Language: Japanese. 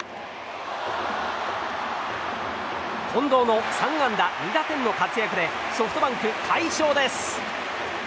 近藤の３安打２打点の活躍でソフトバンク、快勝です。